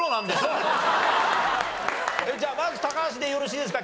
じゃあまず高橋でよろしいですか？